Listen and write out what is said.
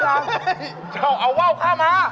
เจ้าเอาว่าวข้าม้า